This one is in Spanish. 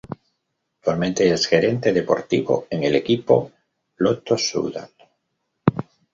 Actualmente es gerente deportivo en el equipo Lotto Soudal.